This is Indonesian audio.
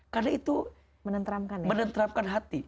karena itu menenteramkan hati